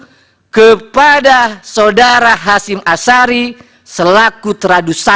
yang ketiga menjatuhkan sanksi peringatan keras